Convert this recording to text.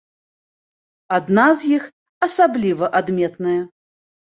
Адна з іх асабліва адметная.